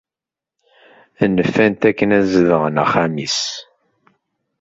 Nfan-t akken ad zedɣen axxam-is.